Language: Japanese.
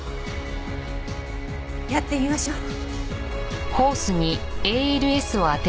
やってみましょう。